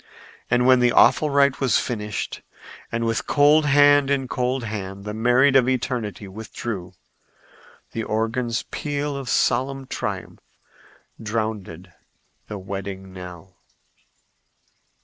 And when the awful rite was finished and with cold hand in cold hand the married of eternity withdrew, the organ's peal of solemn triumph drowned the wedding knell.